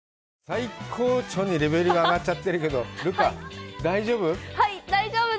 最高潮にレベルが上がっちゃってるけど、留伽、大丈夫？